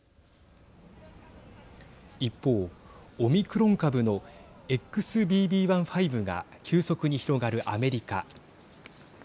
一方、オミクロン株のＸＢＢ．１．５が急速に広がるアメリカ。